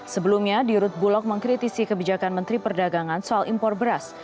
sebelumnya dirut bulog mengkritisi kebijakan menteri perdagangan soal impor beras